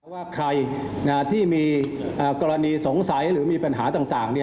ว่าใครที่มีกรณีสงสัยหรือมีปัญหาต่าง